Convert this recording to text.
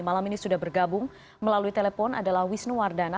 malam ini sudah bergabung melalui telepon adalah wisnu wardana